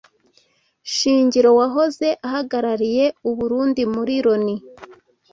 Shingiro wahoze ahagarariye u Burundi muri Loni